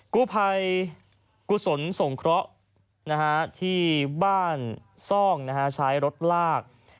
กู้ภัยกุศลสงเคราะห์ที่บ้านซ่องใช้รถลาก